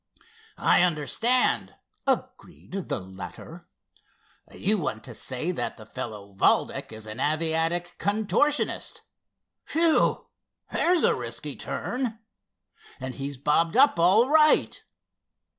"I understand," agreed the latter. "You want to say that the fellow Valdec is an aviatic contortionist. Whew! there's a risky turn. And he's bobbed up all right.